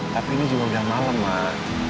tapi ini juga udah malem mak